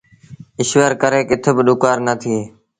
ايٚشور ڪري ڪٿ با ڏُڪآر نا ٿئي۔